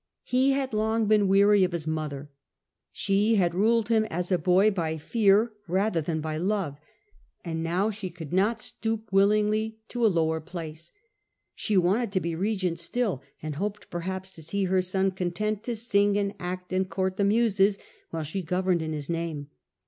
He had long been weary of his mother. She had ruled him as a boy by fear rather than by love, and now she could not stoop willingly to a lower place. She wanted to be regent still, . and hoped perhaps to see her son content to tience of hin sing and act and court the Muses, while she governed in his name.